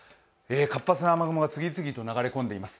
活発な雨雲が次々と流れ込んでいます。